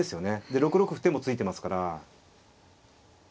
で６六歩っていう手もついてますから。